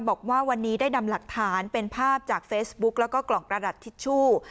บอกว่าวันนี้ได้นำหลักฐานเป็นภาพจากเฟซบุ๊กแล้วก็กล่องกระดัดทิชชู่